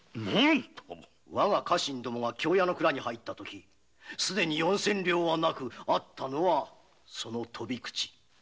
我が家臣が京屋の蔵に入った時すでに四千両はなくあったのはその「トビクチ」。